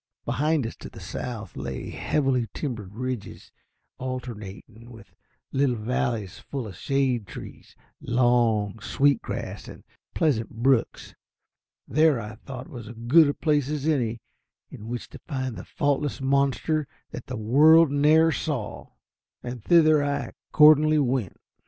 Behind us to the south lay heavily timbered ridges, alternating with little valleys full of shade trees, long, sweet grass, and pleasant brooks. There, I thought, was as good a place as any in which to find the "faultless monster that the world ne'er saw," and thither I accordingly went.